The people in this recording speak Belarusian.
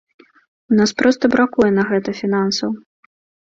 У нас проста бракуе на гэта фінансаў.